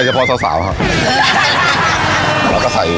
รู้ไหมทำไมมันนานเอาดี